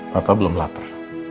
papa belum lapar